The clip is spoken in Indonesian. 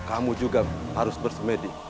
kamu juga harus bersemedi